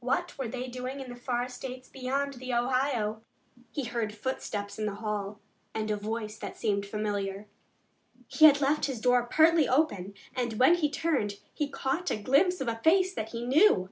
What were they doing in the far states beyond the Ohio? He heard footsteps in the hail and a voice that seemed familiar. He had left his door partly open, and, when he turned, he caught a glimpse of a face that he knew.